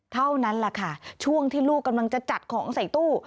เท่านั้นแหละค่ะช่วงที่ลูกกำลังจะจัดของใส่ตู้